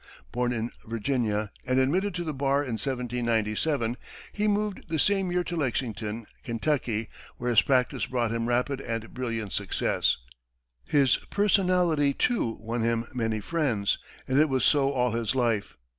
Born in Virginia, and admitted to the bar in 1797, he moved the same year to Lexington, Kentucky, where his practice brought him rapid and brilliant success. His personality, too, won him many friends, and it was so all his life.